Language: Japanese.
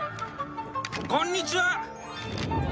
こんにちは！